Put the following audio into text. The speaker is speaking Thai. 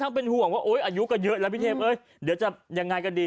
ทั้งเป็นห่วงเอ๋ยอายุกันเยอะแล้วพี่เทพ